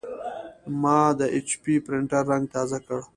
ما د ایچ پي پرنټر رنګ تازه کړ.